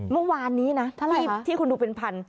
เมื่อวานนี้นะที่คุณดูเป็นพัน